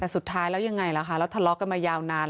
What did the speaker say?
แต่สุดท้ายแล้วยังไงล่ะคะแล้วทะเลาะกันมายาวนาน